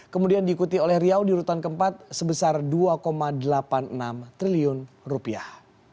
kemudian diikuti oleh riau di urutan keempat sebesar dua delapan puluh enam triliun rupiah